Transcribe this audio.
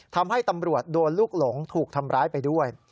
ทำให้ตำรวจโดนลูกหลงถูกทำร้ายไปด้วย